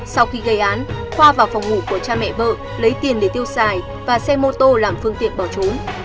sau khi gây án khoa vào phòng ngủ của cha mẹ vợ lấy tiền để tiêu xài và xe mô tô làm phương tiện bỏ trốn